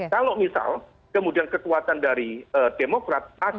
kalau misal kemudian kekuatan dari demokrat